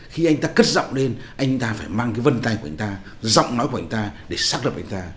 khi anh ta cất giọng lên anh ta phải mang cái vân tay của anh ta giọng nói của anh ta để xác lập anh ta